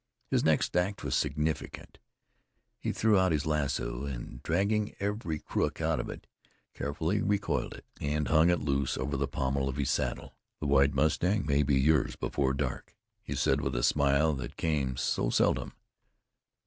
His next act was significant. He threw out his lasso and, dragging every crook out of it, carefully recoiled it, and hung it loose over the pommel of his saddle. "The White Mustang may be yours before dark," he said with the smile that came so seldom.